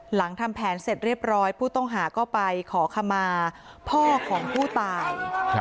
หลังทำแผนเสร็จเรียบร้อยผู้ต้องหาก็ไปขอขมาพ่อของผู้ตาย